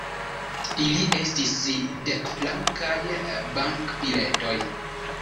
Ili estis dekfrankaj bankbiletoj.